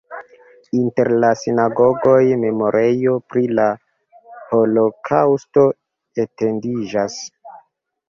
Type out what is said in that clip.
Inter la sinagogoj memorejo pri la holokaŭsto etendiĝas.